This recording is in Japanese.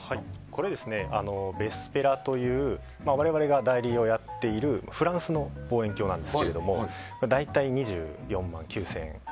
これはヴェスペラという我々が代理をやっているフランスの望遠鏡なんですけど大体、２４万９０００円。